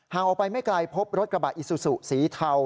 ออกไปไม่ไกลพบรถกระบะอิซูซูสีเทา